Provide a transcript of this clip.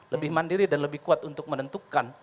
lebih mandiri dan lebih kuat untuk menentukan